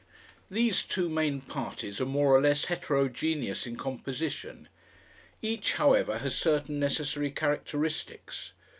These two main parties are more or less heterogeneous in composition. Each, however, has certain necessary characteristics.